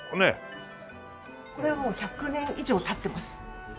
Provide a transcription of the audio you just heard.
これはもう１００年以上経ってます。